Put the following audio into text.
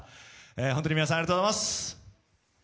本当に皆さんありがとうございます。